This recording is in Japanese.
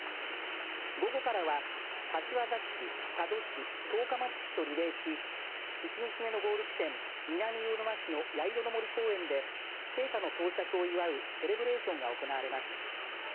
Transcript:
午後からは柏崎市、佐渡市十日町市とリレーし１日目のゴール地点、南魚沼市の八色の森公園で聖火の到着を祝うセレブレーションが行われます。